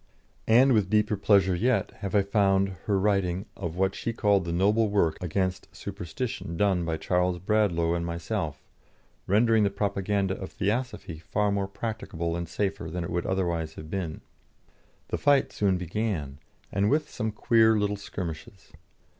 And with deeper pleasure yet have I found her writing of what she called the noble work against superstition done by Charles Bradlaugh and myself, rendering the propaganda of Theosophy far more practicable and safer than it would otherwise have been. The fight soon began, and with some queer little skirmishes.